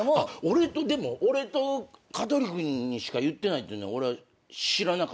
俺と香取君にしか言ってないっていうの俺は知らなかったので。